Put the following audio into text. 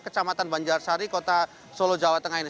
kecamatan banjarsari kota solo jawa tengah ini